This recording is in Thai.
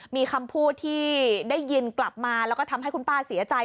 มีคำพูดที่ได้ยินกลับมาแล้วก็ทำให้คุณป้าเสียใจ